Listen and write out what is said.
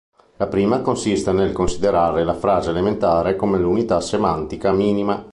La prima consiste nel considerare la frase elementare come l'unità semantica minima.